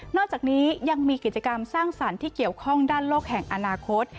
อกจากนี้ยังมีกิจกรรมสร้างสรรค์ที่เกี่ยวข้องด้านโลกแห่งอนาคต